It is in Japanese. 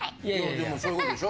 でもそういうことでしょ。